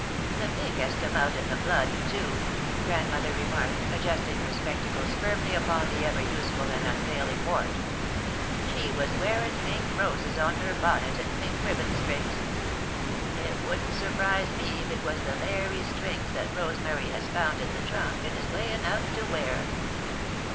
"The pink has come out in the blood, too," Grandmother remarked, adjusting her spectacles firmly upon the ever useful and unfailing wart. "She was wearin' pink roses on her bonnet and pink ribbon strings. It wouldn't surprise me if it was the very strings what Rosemary has found in the trunk and is layin' out to wear."